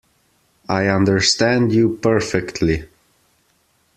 I understand you perfectly.